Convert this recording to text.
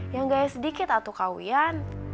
yang gaya sedikit atau kawian